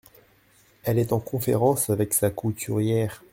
Elle est en conférence avec sa couturière !…